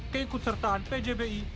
keikut sertakan pjbi